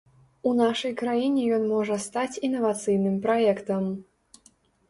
У нашай краіне ён можа стаць інавацыйным праектам.